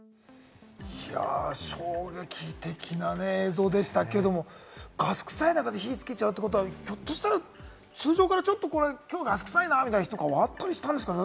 衝撃的なね、映像でしたけれども、ガスくさい中で火をつけちゃうってことは、ひょっとしたら、通常から、きょうガスくさいなぁみたいな日があったりしたんですかね。